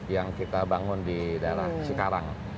yang kita bangun di daerah cikarang